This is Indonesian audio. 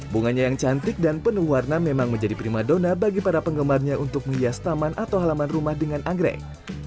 bunganya yang cantik dan penuh warna memang menjadi prima dona bagi para penggemarnya untuk menghias taman atau halaman rumah dengan anggrek